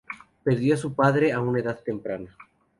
Perdió a su padre a una edad temprana.